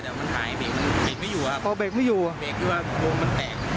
แต่มันหายเบรกมันไม่อยู่ครับอ๋อเบรกไม่อยู่คือว่ามันแตก